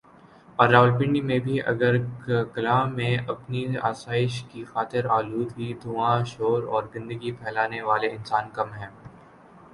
اور راولپنڈی میں بھی مگر کلاں میں اپنی آسائش کی خاطر آلودگی دھواں شور اور گندگی پھیلانے والے انسان کم ہیں